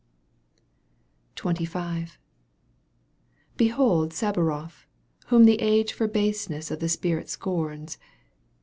XXV. Behold Sabouroff, whom the age For baseness of the spirit scorns.